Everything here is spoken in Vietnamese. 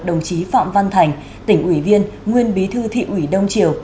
đồng chí phạm văn thành tỉnh ủy viên nguyên bí thư thị ủy đông triều